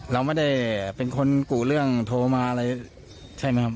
เราไม่ได้เป็นคนกู่เรื่องโทรมาอะไรใช่ไหมครับ